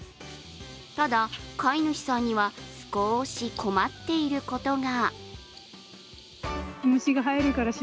ただ、飼い主さんには、少し困っていることが。